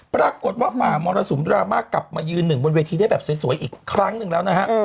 ปรากฏว่าหมามรสุมดราม่ากลับมายืนหนึ่งบนเวทีได้แบบสวยอีกครั้งหนึ่งแล้วนะฮะ